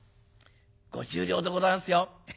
五十両でございますよ。